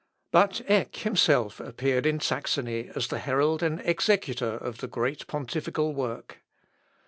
But Eck himself appeared in Saxony as the herald and executor of the great pontifical work.